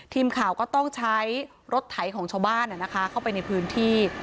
ทีมข่าวก็ต้องใช้รถไถของชาวบ้านเข้าไปในพื้นที่